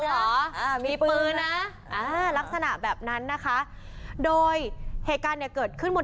เหรออ่ามีปืนนะอ่าลักษณะแบบนั้นนะคะโดยเหตุการณ์เนี่ยเกิดขึ้นบน